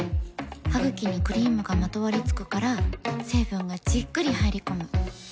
ハグキにクリームがまとわりつくから成分がじっくり入り込む。